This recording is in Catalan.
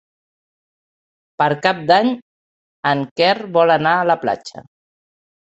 Per Cap d'Any en Quer vol anar a la platja.